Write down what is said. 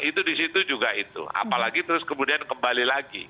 itu disitu juga itu apalagi terus kemudian kembali lagi